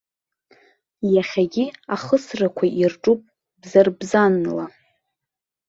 Иахьагьы ахысрақәа ирҿуп бзарбзанла.